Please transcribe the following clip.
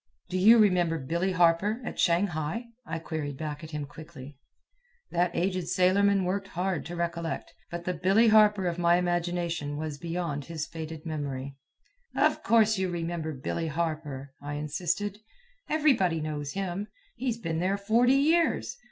"Do you remember Billy Harper, at Shanghai?" I queried back at him quickly. That aged sailorman worked hard to recollect, but the Billy Harper of my imagination was beyond his faded memory. "Of course you remember Billy Harper," I insisted. "Everybody knows him. He's been there forty years.